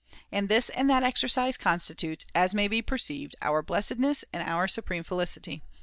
And this and that exercise constitutes, as may be perceived, our blessedness and our supreme felicity.